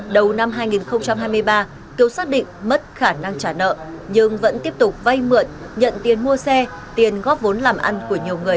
đầu năm hai nghìn hai mươi ba kiều xác định mất khả năng trả nợ nhưng vẫn tiếp tục vay mượn nhận tiền mua xe tiền góp vốn làm ăn của nhiều người